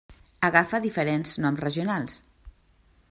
Agafa diferents noms regionals.